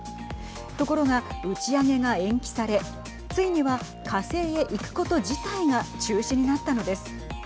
ところが、打ち上げが延期されついには火星へ行くこと自体が中止になったのです。